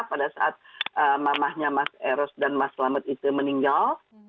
pada saat mamahnya mas eros dan mas selamat itu meninggal